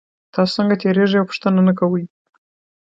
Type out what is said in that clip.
تاسو څنګه تیریږئ او پوښتنه نه کوئ